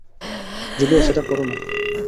Julius, এটা করো না।